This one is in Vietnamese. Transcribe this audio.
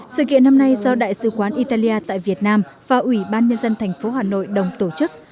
sự kiện năm nay do đại sứ quán italia tại việt nam và ủy ban nhân dân thành phố hà nội đồng tổ chức